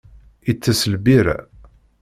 Itess lbirra.